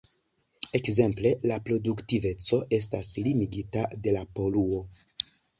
Ekzemple, la produktiveco estas limigita de la poluo.